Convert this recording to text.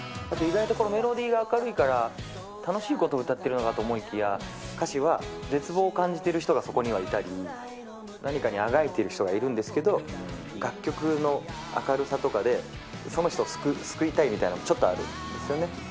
意外とこのメロディーが明るいから、楽しいことを歌ってるのかなと思いきや、歌詞は絶望を感じている人がそこにはいたり、何かにあがいている人がいるんですけど、楽曲の明るさとかで、その人を救いたいみたいなの、ちょっとあるんですよね。